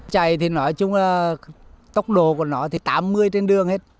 chạy thì nói chung là tốc độ của nó thì tám mươi trên đường hết